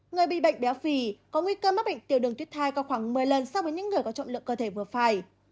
người bị bệnh béo phì có nguy cơ mắc bệnh tiểu đường tuyết thai có khoảng một mươi lần so với những người có trọng lượng cơ thể vừa phải